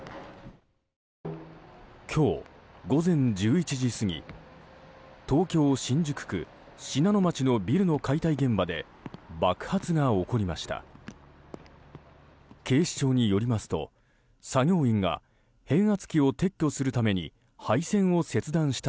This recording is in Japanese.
今日午前１１時過ぎ東京・新宿区信濃町のビルの解体現場で爆発が起こりました。